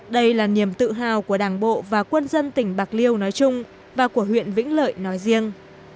đây là niềm tự hào của đảng bộ và quân dân tỉnh bạc liêu nói chung và của huyện vĩnh lợi nói riêng